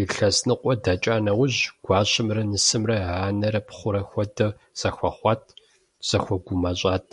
Илъэс ныкъуэ дэкӀа нэужь, гуащэмрэ нысэмрэ анэрэ пхъурэ хуэдэу зэхуэхъуат, зэхуэгумащӀэт.